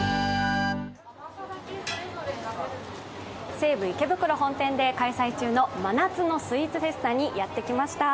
西武池袋本店で開催中の真夏のスイーツフェスタにやってきました。